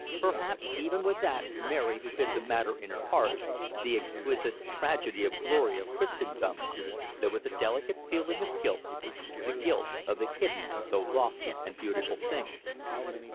Perhaps even with that Mary who hid the matter in her heart the exquisite tragedy and glory of Christendom there was a delicate feeling of guilt, the guilt of the hidden though lofty and beautiful thing.